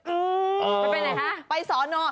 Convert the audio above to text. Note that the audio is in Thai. อื้อไปไปไหนคะ